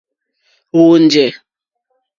Wɔ́ɔ̂ njɛ̂.